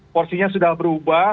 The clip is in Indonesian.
porsinya sudah berubah